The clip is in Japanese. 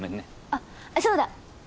あっそうだ。